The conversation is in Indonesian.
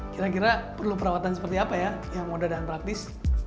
kira kira perlu perawatan seperti apa ya yang mudah dan praktis